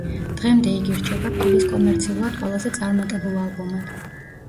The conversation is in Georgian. დღემდე იგი რჩება ფილის კომერციულად ყველაზე წარმატებულ ალბომად.